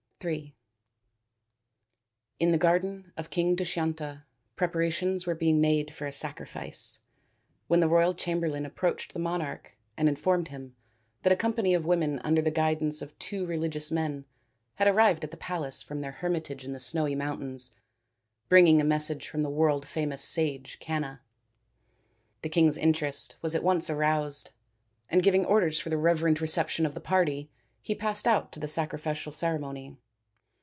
in In the garden of King Dushyanta preparations were being made for a sacrifice, when the royal chamberlain approached the monarch and informed SAKUNTALA AND DUSHYANTA 233 him that a company of women under the guidance of two religious men had arrived at the palace from their hermitage in the Snowy Mountains, bringing a message from the world famous sage, Canna. The king's interest was at once aroused, and, giving orders for the reverent reception of the party, he passed out to the sacrificial ceremony.